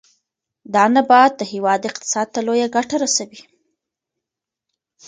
دا نبات د هېواد اقتصاد ته لویه ګټه رسوي.